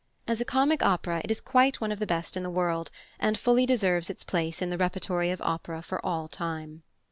As a comic opera it is quite one of the best in the world, and fully deserves its place in the repertory of opera for all time.